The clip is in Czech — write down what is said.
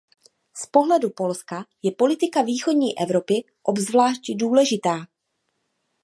Z pohledu Polska je politika východní Evropy obzvlášť důležitá.